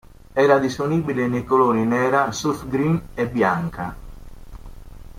Era disponibile nei colori nera, surf green e bianca.